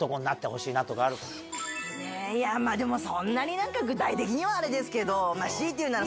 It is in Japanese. でもそんなに具体的にはあれですけど強いて言うなら。